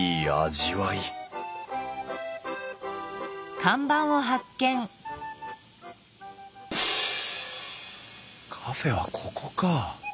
味わいカフェはここか！